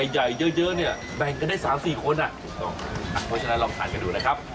ใหญ่เยอะเนี่ยแบ่งกันได้๓๔คนอ่ะถูกต้องเพราะฉะนั้นลองทานกันดูนะครับ